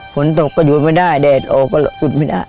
ฝนตกก็หยุดไม่ได้แดดออกก็หยุดไม่ได้